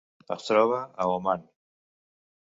Es troba a Oman.